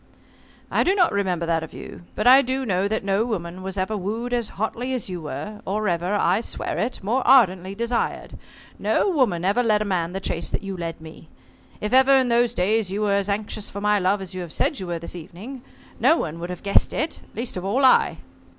"I do not remember that of you. But I do know that no woman was ever wooed as hotly as you were or ever I swear it more ardently desired. No woman ever led a man the chase you led me. If ever in those days you were as anxious for my love as you have said you were this evening, no one would have guessed it, least of all I."